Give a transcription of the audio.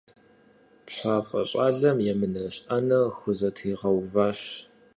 ПщафӀэ щӀалэм емынэжь Ӏэнэр хузэтригъэуващ.